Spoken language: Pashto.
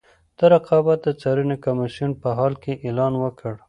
د رقابت د څارنې کمیسیون په کال کې اعلان وکړ.